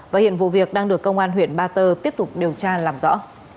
và hiện vụ việc đang được công an huyện ba tơ tiếp tục điều tra làm rõ